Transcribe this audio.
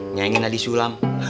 nyanyiin aja di sulam